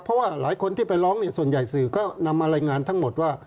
เพราะว่าหลายคนที่ไปร้องเนี่ยส่วนใหญ่สื่อก็นำมารายงานทั้งหมดว่า